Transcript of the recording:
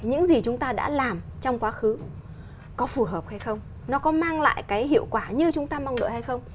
những gì chúng ta đã làm trong quá khứ có phù hợp hay không nó có mang lại cái hiệu quả như chúng ta mong đợi hay không